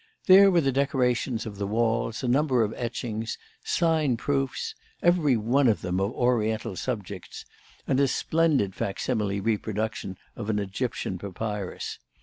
There were the decorations of the walls, a number of etchings signed proofs, every one of them of Oriental subjects, and a splendid facsimile reproduction of an Egyptian papyrus.